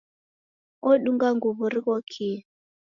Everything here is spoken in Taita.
Odunga nguw'o righokie.